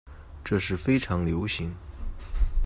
这是非常流行。